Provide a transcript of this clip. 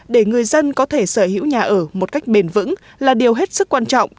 để người dân có thể sở hữu nhà ở một cách bền vững là điều hết sức quan trọng